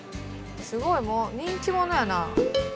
すごいもう人気者やな。